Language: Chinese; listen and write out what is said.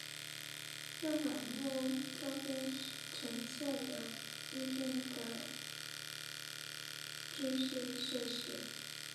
六本木周边曾设有日军的军事设施。